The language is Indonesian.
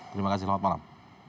terima kasih selamat malam